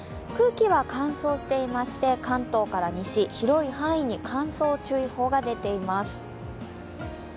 空気は乾燥していまして関東から西、広い範囲に乾燥注意報が出ています。